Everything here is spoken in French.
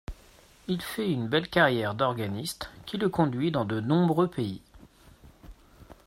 Il fait une belle carrière d'organiste qui le conduit dans de nombreux pays.